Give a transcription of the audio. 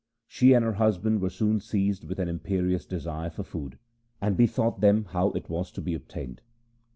She and her husband were soon seized with an imperious desire for food, and bethought them how it was to be obtained.